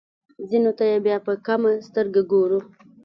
ځینو ته یې بیا په کمه سترګه ګورو.